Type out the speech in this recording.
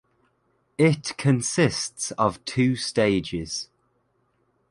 It consists of two stages.